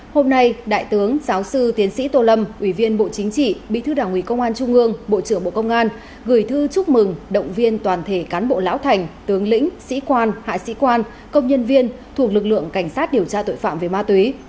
hôm nay đại tướng giáo sư tiến sĩ tô lâm ủy viên bộ chính trị bí thư đảng ủy công an trung ương bộ trưởng bộ công an gửi thư chúc mừng động viên toàn thể cán bộ lão thành tướng lĩnh sĩ quan hạ sĩ quan công nhân viên thuộc lực lượng cảnh sát điều tra tội phạm về ma túy